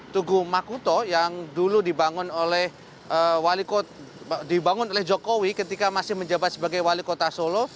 tugu makuto yang dulu dibangun oleh dibangun oleh jokowi ketika masih menjabat sebagai wali kota solo